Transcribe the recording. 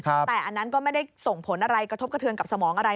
แต่อันนั้นก็ไม่ได้ส่งผลอะไรกระทบกระเทือนกับสมองอะไร